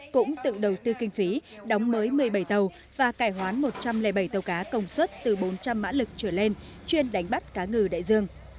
cũng tự đầu tư kinh phí đóng mới một mươi bảy tàu và cải hoán một trăm linh bảy tàu cá công suất từ bốn trăm linh mã lực trở lên chuyên đánh bắt cá ngừ đại dương